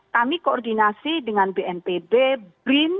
kami koordinasi dengan bnpb